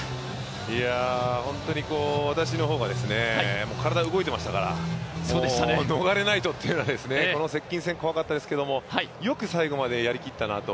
本当に私の方が体が動いてましたから、もう逃れないとというのは接近戦怖かったですけど、よく最後までやりきったなと。